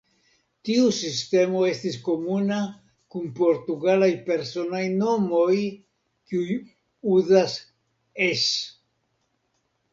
Tiu sistemo estis komuna kun portugalaj personaj nomoj, kiuj uzas "-es".